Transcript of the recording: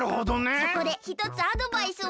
そこでひとつアドバイスを。